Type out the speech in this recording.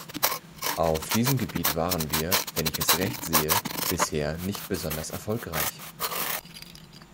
Auf diesem Gebiet waren wir, wenn ich es recht sehe, bisher nicht besonders erfolgreich.